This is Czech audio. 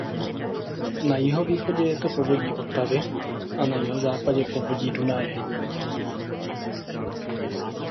Na jihovýchodě je to povodí Otavy a na jihozápadě povodí Dunaje.